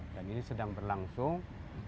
dan ini sedang berlangsung